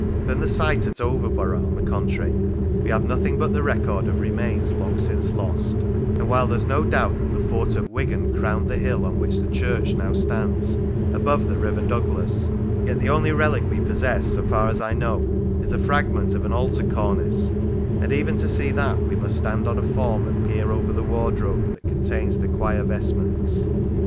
From the site at Overborough, on the contrary, we have nothing but the record of remains long since lost, and while there is no doubt that the fort at Wigan crowned the hill on which the church now stands, above the River Douglas, yet the only relic we possess, so far as I know, is a fragment of an altar cornice, and even to see that we must stand on a form and peer over the wardrobe that contains the choir vestments.